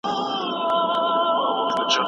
له کبله په هدیرو کې پناه اخلي